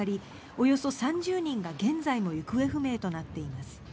およそ３０人が現在も行方不明となっています。